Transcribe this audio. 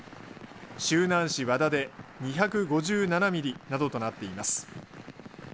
周南市和田で２５７ミリなどとなっています。